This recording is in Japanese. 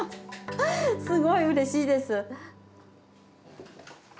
すごいうれしいです。